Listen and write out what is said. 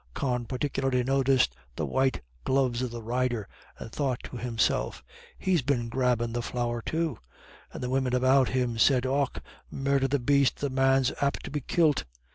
Con particularly noticed the white gloves of the rider, and thought to himself, "He's been grabbin' the flour too." And the women about him said, "Och, murdher, the baste the man's apt to be kilt!"